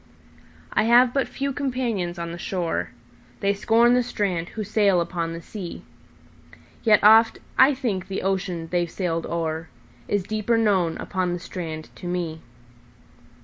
I have but few companions on the shore:They scorn the strand who sail upon the sea; Yet oft I think the ocean they've sailed o'erIs deeper known upon the strand to me.